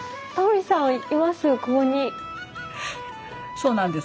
そうなんです。